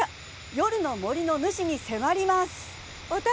夜の森の主に迫ります。